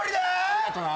ありがとな。